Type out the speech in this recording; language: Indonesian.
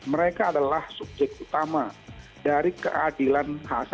mereka adalah subjek utama untuk menjaga keamanan dan keamanan orang lainnya